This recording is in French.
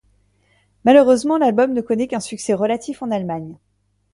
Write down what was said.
Malheureusement l'album ne connaît qu'un succès relatif en Allemagne.